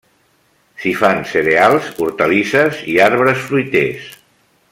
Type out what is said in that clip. S'hi fan cereals, hortalisses i arbres fruiters.